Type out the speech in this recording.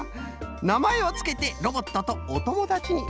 なまえをつけてロボットとおともだちになるんじゃね。